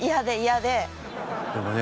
でもね